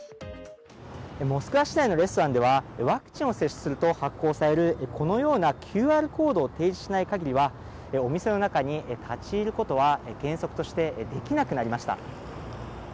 モスクワ市内のレストランではワクチンを接種すると発行されるこのようなＱＲコードを提示しない限りはお店の中に立ち入ることは原則としてできなくなりました。